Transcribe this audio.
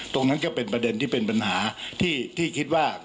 ก็เป็นประเด็นที่เป็นปัญหาที่คิดว่า